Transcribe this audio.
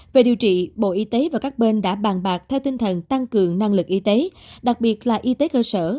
về điều trị bộ y tế và các bên đã bàn bạc theo tinh thần tăng cường năng lực y tế đặc biệt là y tế cơ sở